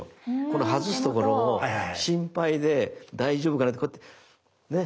この外すところを心配で大丈夫かな？ってこうやってね。